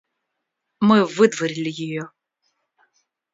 Мы выдворили ее.